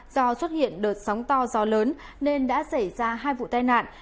do xuất hiện đợt sóng to gió lớn nên đã xảy ra hai vụ tai nạn